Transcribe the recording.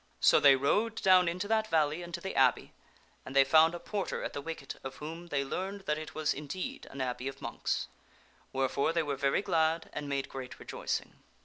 So they rode down into that valley and to the abbey, and they found The come to a P or t er a ^ the wicket of whom they learned that it was in an abbey of deed an abbey of monks. Wherefore they were very glad mon s ' and made great rejoicing.